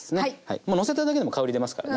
もうのせただけでも香り出ますからね。